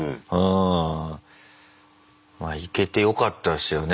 行けてよかったですよね